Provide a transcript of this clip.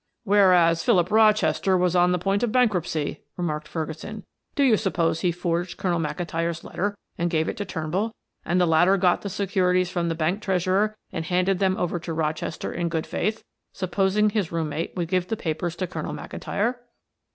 "Whereas Philip Rochester was on the point of bankruptcy," remarked Ferguson. "Do you suppose he forged Colonel McIntyre's letter and gave it to Turnbull, and the latter got the securities from the bank treasurer and handed them over to Rochester in good faith, supposing his room mate would give the papers to Colonel McIntyre?"